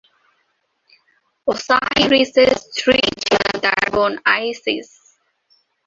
ওসাইরিসের স্ত্রী ছিলেন তার বোন আইসিস।